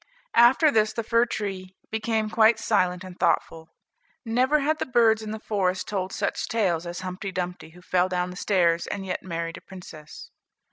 After this the fir tree became quite silent and thoughtful; never had the birds in the forest told such tales as "Humpty Dumpty," who fell down stairs, and yet married a princess.